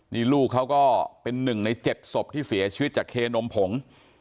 นี่ลูกเขาก็เป็นหนึ่งใน๗ศพที่เสียชีวิตจากเคนมผง